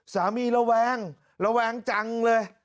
ระแวงระแวงจังเลย